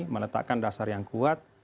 meletakkan dasar yang kuat